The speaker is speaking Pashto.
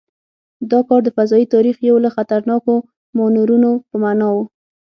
دا کار د فضايي تاریخ یو له خطرناکو مانورونو په معنا و.